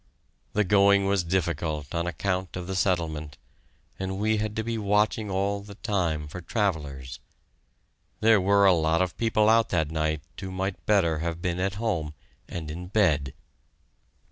The going was difficult on account of the settlement, and we had to be watching all the time for travellers. There were a lot of people out that night who might better have been at home and in bed!